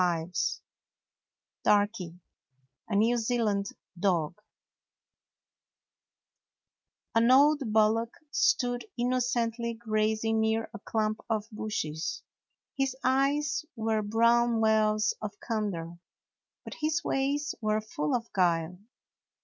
99 DARKY: A NEW ZEALAND DOG N old bullock stood innocently grazing near a clump of bushes. His eyes were brown wells of candor, but his ways were full of guile.